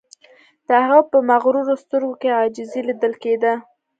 د هغه په مغرورو سترګو کې عاجزی لیدل کیده